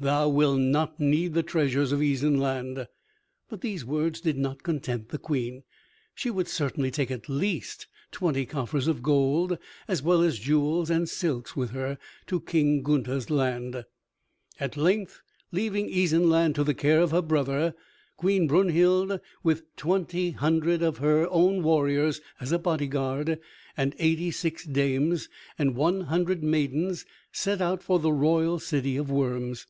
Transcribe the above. Thou wilt not need the treasures of Isenland." But these words did not content the Queen. She would certainly take at least twenty coffers of gold as well as jewels and silks with her to King Gunther's land. At length, leaving Isenland to the care of her brother, Queen Brunhild, with twenty hundred of her own warriors as a bodyguard, with eighty six dames and one hundred maidens, set out for the royal city of Worms.